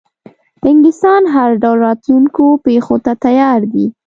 انګلیسیان هر ډول راتلونکو پیښو ته تیار دي.